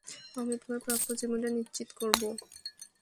আমি তোমার প্রাপ্য জীবনটা নিশ্চিত করবো।